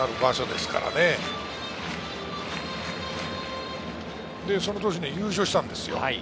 で、その年、優勝したんですよ。